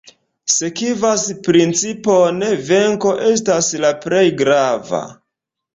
Sekvas principon "Venko estas la plej grava".